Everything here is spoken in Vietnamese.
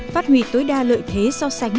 phát huy tối đa lợi thế so sánh